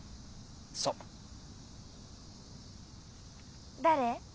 そう誰？